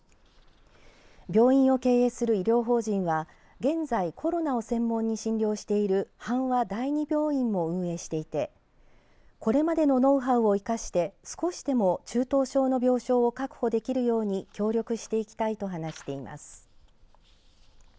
病院を経営する医療法人は現在コロナを専門に診療している阪和第二病院も運営していてこれまでのノウハウを生かして少しでも中等症の病床を確保できるように協力していきたいと話しています。